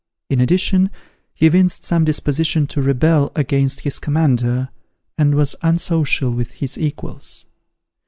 In addition, he evinced some disposition to rebel against his commander, and was unsocial with his equals.